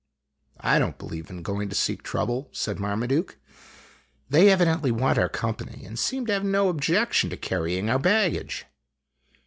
" I don't believe in p oino to seek trouble," said Marmaduke. <_> O "They evidently want our company, and seem to have no objection to carrying our baggage."